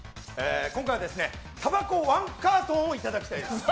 今回は、たばこ１カートンをいただきたいです。